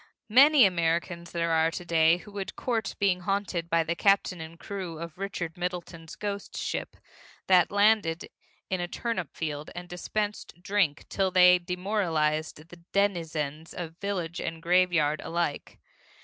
Many Americans there are to day who would court being haunted by the captain and crew of Richard Middleton's Ghost Ship that landed in a turnip field and dispensed drink till they demoralized the denizens of village and graveyard alike.